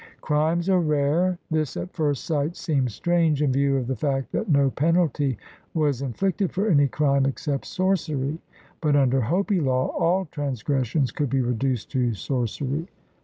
Crimes are rare. This at first sight seems strange in view of the fact that no penalty was inflicted for any crime except sorcery, but under Hopi law all transgressions could be reduced to sorcery.